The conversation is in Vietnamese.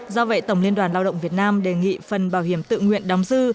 do vậy tổng liên đoàn lao động việt nam đề nghị phần bảo hiểm tự nguyện đóng dư